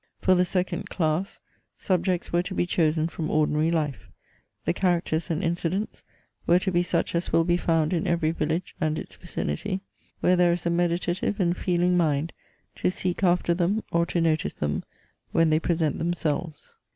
For the second class, subjects were to be chosen from ordinary life; the characters and incidents were to be such as will be found in every village and its vicinity, where there is a meditative and feeling mind to seek after them, or to notice them, when they present themselves.